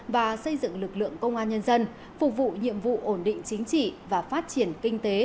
và xây dựng lực lượng công an nhân dân phục vụ nhiệm vụ ổn định chính trị và phát triển kinh tế